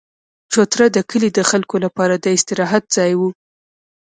چوتره د کلي د خلکو لپاره د استراحت ځای وو.